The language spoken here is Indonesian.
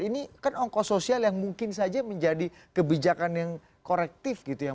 ini kan ongkos sosial yang mungkin saja menjadi kebijakan yang korektif gitu ya